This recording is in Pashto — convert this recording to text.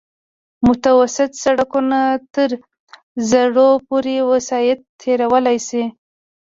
متوسط سرکونه تر زرو پورې وسایط تېرولی شي